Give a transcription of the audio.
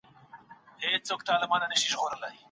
هغه به له خپلي ميرمني سره بد چلند ونکړي.